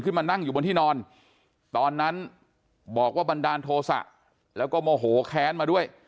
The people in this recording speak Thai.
มานั่งอยู่บนที่นอนตอนนั้นบอกว่าบันดาลโทษะแล้วก็โมโหแค้นมาด้วย